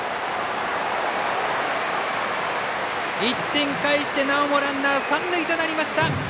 １点返して、なおもランナー、三塁となりました。